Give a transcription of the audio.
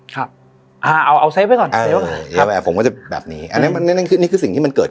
ครับเอาเอาไปก่อนเออผมก็จะแบบนี้อันนี้มันนี่คือนี่คือสิ่งที่มันเกิด